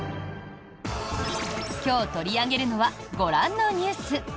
今日取り上げるのはご覧のニュース。